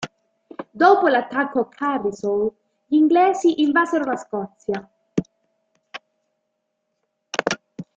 Dopo l'attacco a Carlisle, gli inglesi invasero la Scozia.